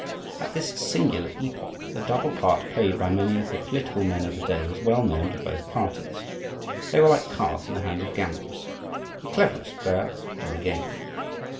At this singular epoch the double part played by many of the political men of the day was well known to both parties; they were like cards in the hands of gamblers,—the cleverest player won the game.